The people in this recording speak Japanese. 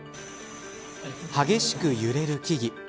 激しく揺れる木々。